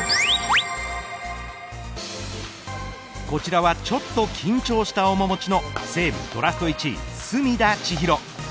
こちらはちょっと緊張した面もちの西武ドラフト１位隅田知一郎。